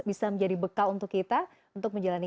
bisa menjadi bekal untuk kita untuk menjalani